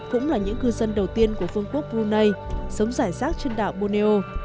cũng là những cư dân đầu tiên của phương quốc brunei sống rải rác trên đảo borneo